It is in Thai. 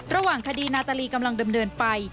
ระหว่างคดีนาตาลีกำลังดำเนินไป